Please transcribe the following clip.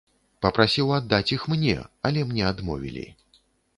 Папрасіў аддаць іх мне, але мне адмовілі.